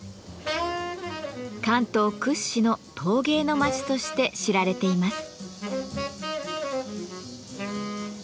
関東屈指の陶芸の町として知られています。